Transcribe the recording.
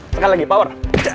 sekali lagi power